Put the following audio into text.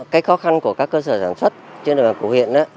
cái khó khăn của các cơ sở sản xuất trên làng cổ hiện